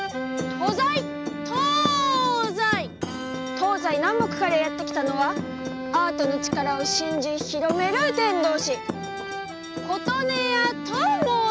東西南北からやって来たのはアートの力を信じ広める伝道師。